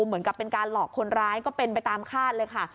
เหมือนกับเป็นการหลอกคนร้ายก็เป็นไปตามคาดเลยค่ะ